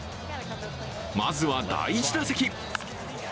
まずは第１打席。